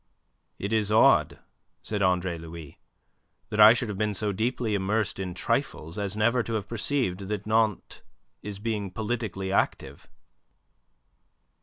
"It is odd," said Andre Louis, "that I should have been so deeply immersed in trifles as never to have perceived that Nantes is being politically active."